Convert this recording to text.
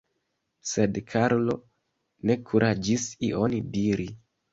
Sed Karlo ne kuraĝis ion diri.